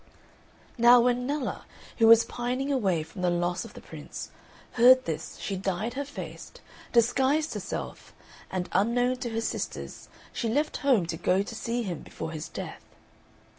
Now when Nella, who was pining away from the loss of the Prince, heard this she dyed her face, disguised herself, and unknown to her sisters she left home to go to see him before his death.